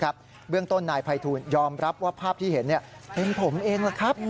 เบื้องต้นนายภัยทูลยอมรับว่าภาพที่เห็นเป็นผมเองล่ะครับ